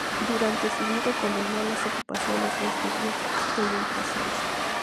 Durante su vido combinó las ocupaciones de estudioso e impresor.